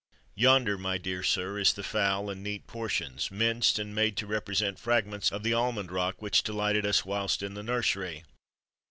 Yonder, my dear sir, is the fowl, in neat portions, minced, and made to represent fragments of the almond rock which delighted us whilst in the nursery.